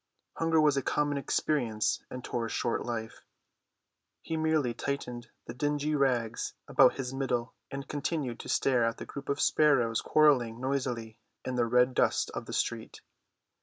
Hunger was a common experience in Tor's short life; he merely tightened the dingy rags about his middle and continued to stare at the group of sparrows quarreling noisily in the red dust of the street.